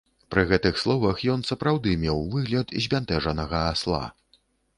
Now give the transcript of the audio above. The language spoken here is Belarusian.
Пры гэтых словах ён сапраўды меў выгляд збянтэжанага асла.